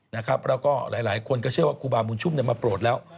แล้วก็หลายคนก็เชื่อว่าครูบาบุญชุมมาโปรดแล้ว